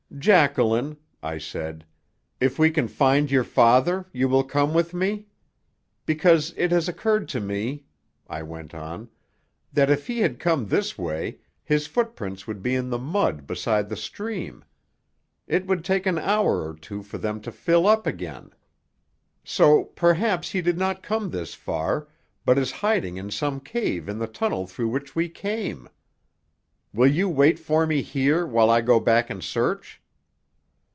"Jacqueline," I said, "if we can find your father you will come with me? Because it has occurred to me," I went on, "that if he had come this way, his footprints would be in the mud beside the stream. It would take an hour or two for them to fill up again. So, perhaps, he did not come this far, but is hiding in some cave in the tunnel through which we came. Will you wait for me here while I go back and search?"